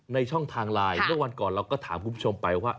ช่องทางไลน์เมื่อวันก่อนเราก็ถามคุณผู้ชมไปว่า